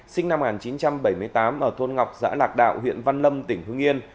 sinh năm một nghìn chín trăm bảy mươi tám ở thôn ngọc xã lạc đạo huyện văn lâm tỉnh hương yên